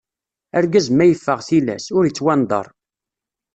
Argaz ma iffeɣ tilas, ur ittwandaṛ.